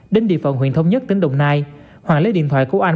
đến địa phận huyện thống nhất tỉnh đồng nai hoàng lấy điện thoại của anh